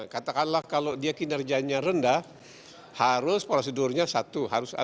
katakanlah kalau dia kinerjanya rendah harus prosedurnya satu